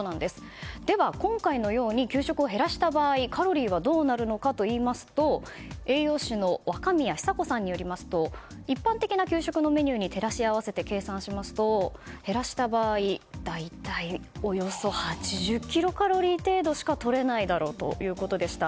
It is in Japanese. では、今回のように給食を減らした場合カロリーはどうなるのかといいますと栄養士の若宮寿子さんによると一般的な給食のメニューに照らし合わせて計算しますと減らした場合大体およそ８０キロカロリー程度しかとれないだろうということでした。